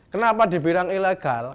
kenapa dibilang ilegal